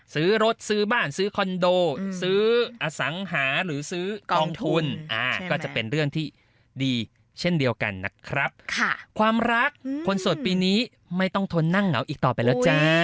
ซื้อรถซื้อบ้านซื้อคอนโดซื้ออสังหาหรือซื้อกองทุนก็จะเป็นเรื่องที่ดีเช่นเดียวกันนะครับค่ะความรักคนโสดปีนี้ไม่ต้องทนนั่งเหงาอีกต่อไปแล้วจ้า